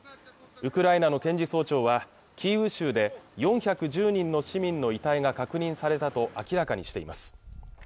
ウクライナの検事総長はキーウ州で４１０人の市民の遺体が確認されたと明らかにしています